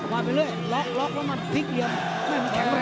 มันปากกาพาติกที่อะไร